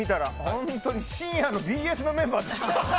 本当に深夜のＢＳのメンバーです。